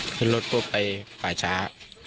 ขึ้นรถก็ไปป่าช้า